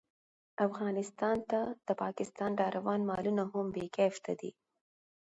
افغانستان ته د پاکستان راروان مالونه هم بې کیفیته دي